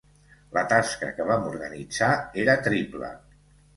La tasca que vam organitzar era triple.